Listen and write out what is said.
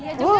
iya juga sih